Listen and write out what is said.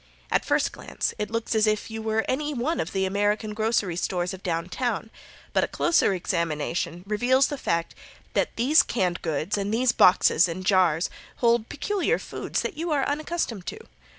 At first glance it looks as if you were in any one of the American grocery stores of down town, but a closer examination reveals the fact that these canned goods and these boxes and jars, hold peculiar foods that you are unaccustomed to.